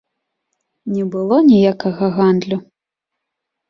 Не было ніякага гандлю.